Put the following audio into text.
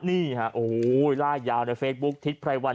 นี่ค่ะโอ้ยรายยาวในเฟซบุ๊กทิศไพรวัล